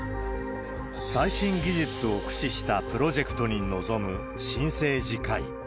最新技術を駆使したプロジェクトに臨む新生児科医。